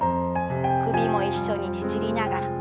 首も一緒にねじりながら。